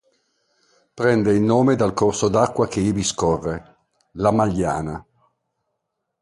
Prende il nome dal corso d'acqua che ivi scorre, la Magliana.